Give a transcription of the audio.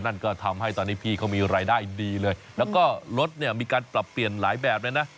นั่นก็ทำให้ตอนนี้พี่เขามีรายได้ดีเลยแล้วก็รถเนี่ยมีการปรับเปลี่ยนหลายแบบเลยนะ